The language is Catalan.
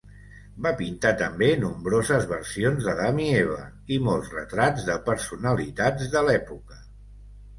Va pintar també nombroses versions d'Adam i Eva i molts retrats de personalitats de l'època.